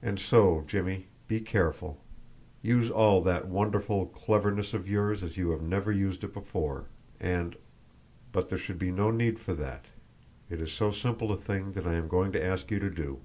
And so, Jimmie, be careful; use all that wonderful cleverness of yours as you have never used it before, and But there should be no need for that, it is so simple a thing that I am going to ask you to do.